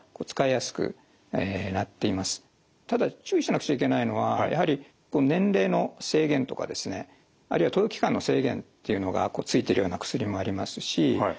ただ注意しなくちゃいけないのはやはり年齢の制限とかですねあるいは投与期間の制限というのがついてるような薬もありますし